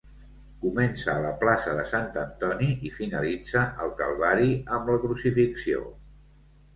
Comença a la plaça de Sant Antoni i finalitza al Calvari amb la Crucifixió.